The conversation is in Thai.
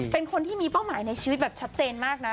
เป็นคนที่มีเป้าหมายในชีวิตแบบชัดเจนมากนะ